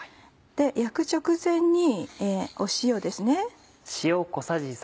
焼く直前に塩ですね。